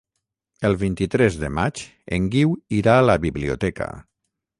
El vint-i-tres de maig en Guiu irà a la biblioteca.